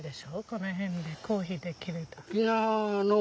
この辺でコーヒー出来るの。